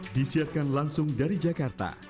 disiarkan langsung dari jakarta